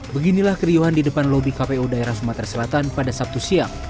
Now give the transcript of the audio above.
beginilah keriuhan di depan lobi kpu daerah sumatera selatan pada sabtu siang